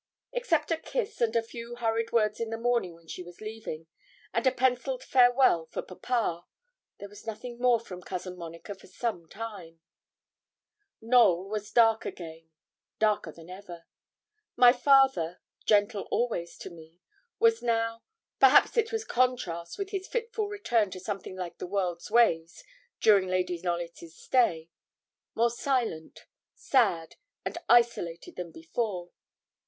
Except a kiss and a few hurried words in the morning when she was leaving, and a pencilled farewell for papa, there was nothing more from Cousin Monica for some time. Knowl was dark again darker than ever. My father, gentle always to me, was now perhaps it was contrast with his fitful return to something like the world's ways, during Lady Knollys' stay more silent, sad, and isolated than before.